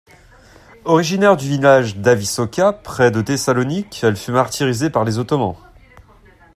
Originaire du village d'Avissoka près de Thessalonique, elle fut martyrisée par les Ottomans.